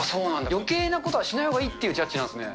よけいなことはしないほうがいいっていうジャッジなんですね。